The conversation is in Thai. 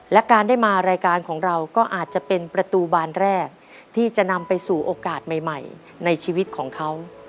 และการได้มารายการของเราก็อาจจะเป็นประตูบานแรกที่จะนำไปสู่โอกาสใหม่ในชีวิตของเขา